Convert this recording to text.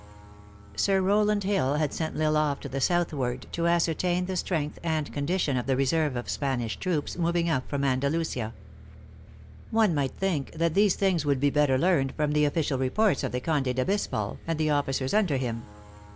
Sm ROWLAND HILL had sent L Isle off to the south ward, to ascertain the strength and condition of the reserve of Spanish troops moving up from Andalusia. One might think that these things could be better learned from the official reports of the Conde d Abis pal and the officers under him.